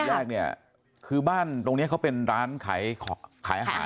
แยกเนี่ยคือบ้านตรงเนี้ยเขาเป็นร้านขายอาหาร